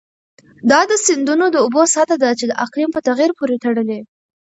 دا د سیندونو د اوبو سطحه ده چې د اقلیم په تغیر پورې تړلې.